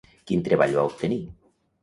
Quin treball va obtenir?